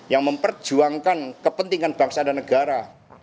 yang memperjuangkan kepentingan bangsa dan negara